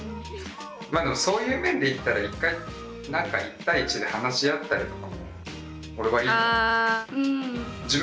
まあでもそういう面でいったら１回１対１で話し合ったりとかも俺はいいと思いますね。